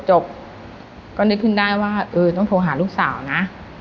จบก็นึกขึ้นได้ว่าเออต้องโทรหาลูกสาวนะ